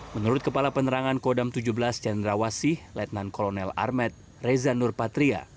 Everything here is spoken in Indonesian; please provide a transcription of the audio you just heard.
menurut kepala penerangan kodam tujuh belas cendrawasih letnan kolonel armet reza nurpatria